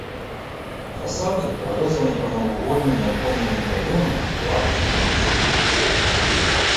Фасады прарэзаны прамавугольнымі аконнымі праёмамі ў арачных ліштвах.